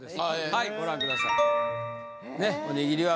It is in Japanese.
はいご覧ください。